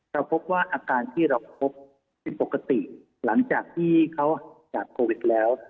เราพบว่าอาการที่เราพบผิดปกติหลังจากที่เขาจากโควิดแล้ว